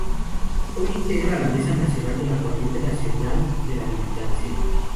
Hoy integra la mesa nacional de la Corriente Nacional de la Militancia.